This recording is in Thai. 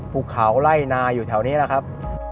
ภูเขาไล่นาอยู่แถวนี้นะครับ